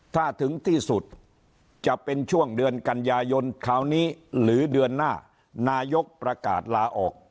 ถ้าถึงที่สุดจะเป็นช่วงเดือนกันยายนคราวนี้หรือเดือนหน้านายกประกาศลาออก